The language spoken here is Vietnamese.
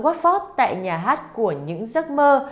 watford tại nhà hát của những giấc mơ